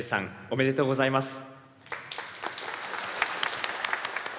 おめでとうございます。